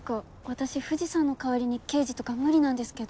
私藤さんの代わりに刑事とか無理なんですけど。